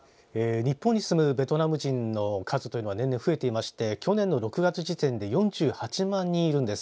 日本に住むベトナム人の数は年々増えていて去年の６月時点で４８万人いるんです。